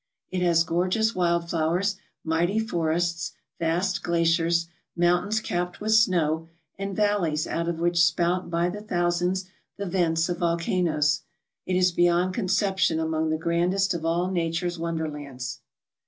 It has gorgeous wild flowers, mighty forests, vast glaciers, mountains capped with snow, and i ALASKA OUR NORTHERN WONDERLAND valleys out of which spout by the thousands the vents of volcanoes. It is beyond conception among the grandest of all nature's wonderlands.